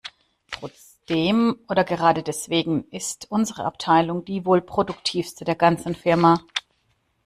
Trotzdem - oder gerade deswegen - ist unsere Abteilung die wohl produktivste der ganzen Firma.